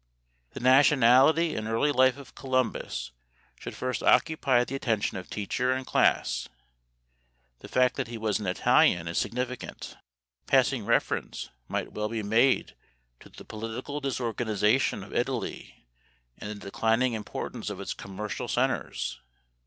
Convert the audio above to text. The nationality and early life of Columbus should first occupy the attention of teacher and class. The fact that he was an Italian is significant. Passing reference might well be made to the political disorganization of Italy and the declining importance of its commercial centers.